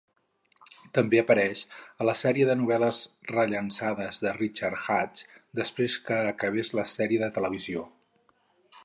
També apareix a la sèrie de novel·les rellançades de Richard Hatch després que acabés la sèrie de televisió.